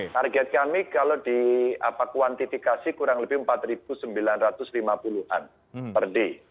target kami kalau di kuantifikasi kurang lebih empat sembilan ratus lima puluh an per day